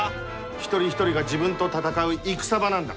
一人一人が自分と戦う戦場なんだ。